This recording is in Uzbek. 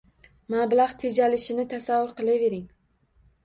Mablag‘ tejalishini tasavvur qilavering.